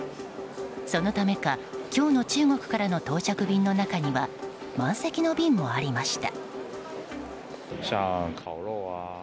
そのためか、今日の中国からの到着便の中には満席の便もありました。